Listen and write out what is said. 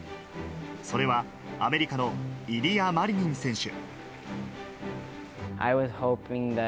それは、アメリカのイリア・マリニン選手。